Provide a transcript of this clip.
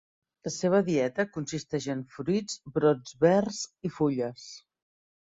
La seva dieta consisteix en fruits, brots verds i fulles.